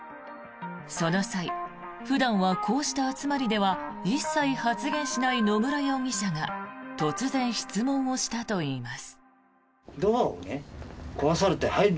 その際普段はこうした集まりでは一切発言しない野村容疑者が突然、質問をしたといいます。